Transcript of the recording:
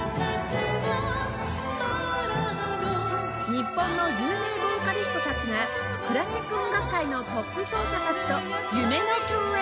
日本の有名ヴォーカリストたちがクラシック音楽界のトップ奏者たちと夢の共演